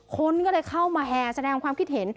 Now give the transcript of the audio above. คนก็เลยเข้ามาแห่แสดงความคิดเห็น